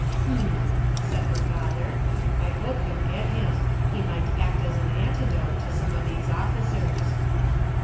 'H'm!' said her father. 'I hope you'll get him; he might act as an antidote to some of these officers.'